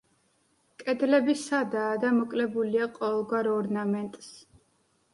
კედლები სადაა და მოკლებულია ყოველგვარ ორნამენტს.